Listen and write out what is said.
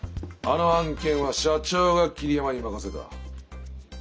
あの案件は社長が桐山に任せた。